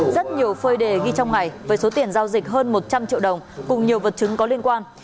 rất nhiều phơi đề ghi trong ngày với số tiền giao dịch hơn một trăm linh triệu đồng cùng nhiều vật chứng có liên quan